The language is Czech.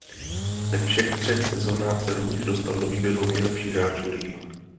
Ve všech třech sezonách se rovněž dostal do výběru nejlepších hráčů ligy.